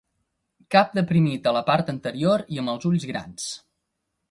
Cap deprimit a la part anterior i amb els ulls grans.